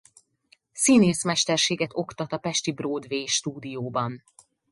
Színészmesterséget oktat a Pesti Broadway Stúdióban.